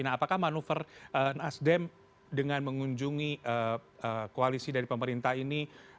nah apakah manuver nasdem dengan mengunjungi koalisi dari pemerintah ini